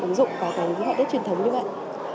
ứng dụng vào những họa tiết truyền thống như vậy